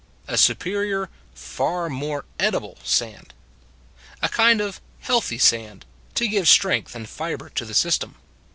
A su perior, far more edible sand. A kind of healthy sand, to give strength and fiber to the system.